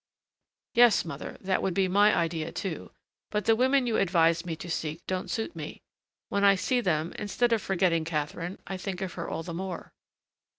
"Yes, mother, that would be my idea, too; but the women you advised me to seek don't suit me. When I see them, instead of forgetting Catherine, I think of her all the more."